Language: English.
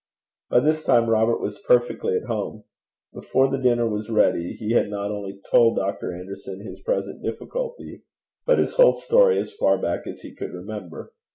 By this time Robert was perfectly at home. Before the dinner was ready he had not only told Dr. Anderson his present difficulty, but his whole story as far back as he could remember.